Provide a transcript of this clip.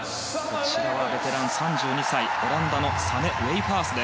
こちらはベテラン、３２歳オランダのサネ・ウェイファース。